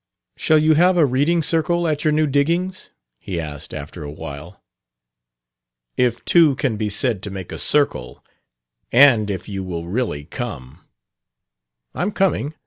"Shall you have a reading circle at your new diggings?" he asked after a while. "If two can be said to make a circle, and if you will really come." "I'm coming.